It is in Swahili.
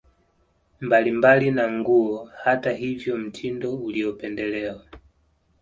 mbalimbali na nguo Hata hivyo mtindo uliopendelewa